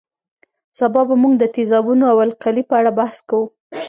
سبا به موږ د تیزابونو او القلي په اړه بحث کوو